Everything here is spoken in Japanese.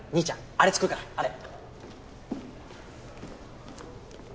あれ作るからあれ。